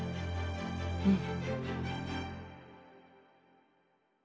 うん。